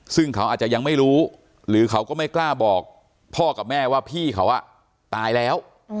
ซึ่งเขาอาจจะยังไม่รู้หรือเขาก็ไม่กล้าบอกพ่อกับแม่ว่าพี่เขาตายแล้ว